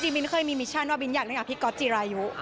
บินเคยมีมิชชั่นว่าบินอยากเล่นกับพี่ก๊อตจิรายุ